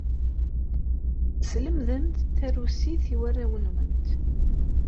Teslemdem tarusit i warraw-nwent.